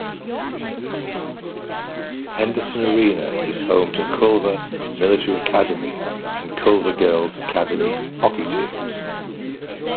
Henderson Arena is home to Culver Military Academy and Culver Girls Academy hockey teams.